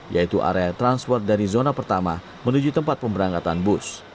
yaitu area transport dari zona pertama menuju tempat pemberangkatan bus